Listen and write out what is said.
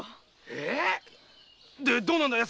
えーっ⁉でどうなんだ？